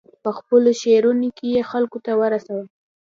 په خپلو شعرونو کې یې خلکو ته رساوه.